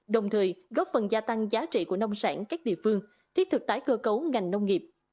đồng thời góp phần gia tăng giá trị của nông sản các địa phương thiết thực tái cơ cấu ngành nông nghiệp